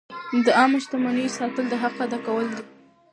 د عامه شتمنیو ساتل د حق ادا کول دي.